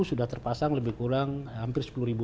sudah terpasang lebih kurang hampir sepuluh ribu